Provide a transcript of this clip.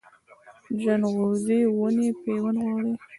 د ځنغوزي ونې پیوند غواړي؟